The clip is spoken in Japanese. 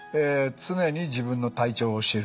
「常に自分の体調を知る」。